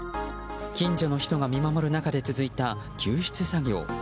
近所の人が見守る中で続いた救出作業。